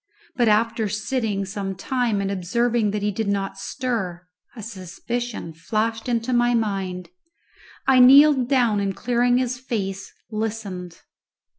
But after sitting some time and observing that he did not stir, a suspicion flashed into my mind; I kneeled down, and clearing his face, listened.